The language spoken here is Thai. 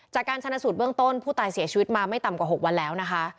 จากการชนะสูตรเบื้องต้นผู้ตายเสียชีวิตมาไม่ต่ำกว่า๖วันแล้วนะคะ